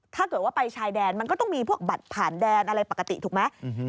ถ้าเกิดว่าไปชายแดนมันก็ต้องมีพวกบัตรผ่านแดนอะไรปกติถูกไหม